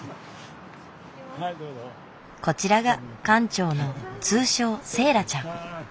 こちらが館長の通称セーラちゃん。